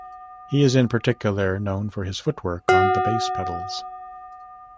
He is in particular known for his footwork on the bass pedals.